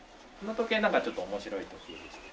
この時計なんかちょっと面白い時計でして。